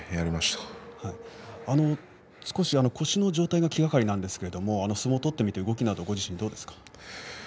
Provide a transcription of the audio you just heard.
少し腰の状態が気がかりなんですけども相撲を取って動きなどどうですか？